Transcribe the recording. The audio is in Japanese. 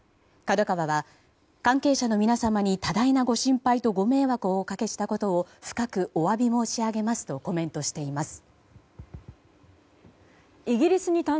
ＫＡＤＯＫＡＷＡは関係者の皆様に多大なご心配とご迷惑をおかけしたことを深くお詫び申し上げますとコメントしています。